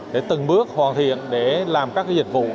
để từng bước hoàn thiện để làm các dịch vụ